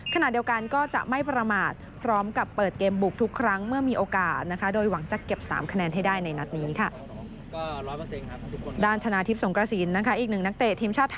ขณะเดียวกันก็จะไม่ประมาทพร้อมกับเปิดเกมบุกทุกครั้งเมื่อมีโอกาสนะคะโดยหวังจะเก็บ๓คะแนนให้ได้ในนัดนี้ค่ะ